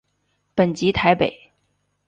本籍台北。